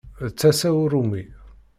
D tasa uṛumi!